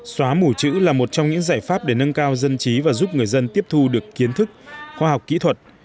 xóa mù chữ là một trong những giải pháp để nâng cao dân trí và giúp người dân tiếp thu được kiến thức khoa học kỹ thuật